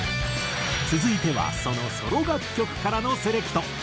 続いてはそのソロ楽曲からのセレクト。